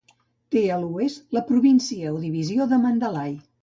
Té a l'oest la província o divisió de Mandalay.